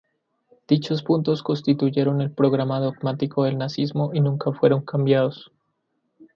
Dichos puntos constituyeron el programa dogmático del nazismo y nunca fueron cambiados.